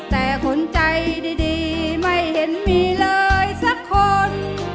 แต่คนใจดีไม่เห็นมีเลยสักคน